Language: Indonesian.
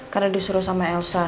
karena disuruh sama elsa